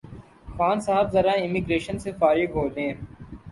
خان صاحب ذرا امیگریشن سے فارغ ہولیں